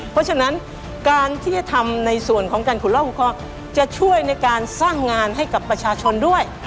เพราะฉะนั้นการที่จะทำในส่วนของการขุดลอกขุดคอจะช่วยในการสร้างงานให้กับประชาชนด้วย